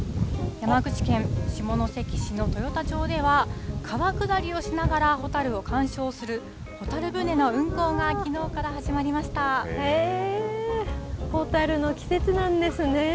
山口県下関市の豊田町では、川下りをしながらホタルを鑑賞するホタル舟の運航がきのうから始ホタルの季節なんですね。